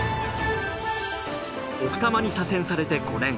奥多摩に左遷されて５年。